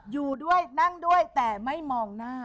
อยู่ด้วยนั่งด้วยแต่ไม่มองหน้า